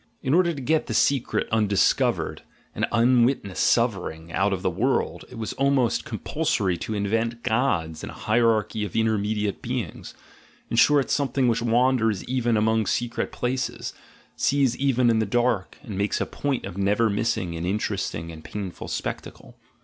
In order to get the secret, undis covered, and unwitnessed suffering out of the world it was almost compulsory to invent gods and a hierarchy of in termediate beings, in short, something which wanders even among secret places, sees even in the dark, and makes a point of never missing an interesting and painful spectacle.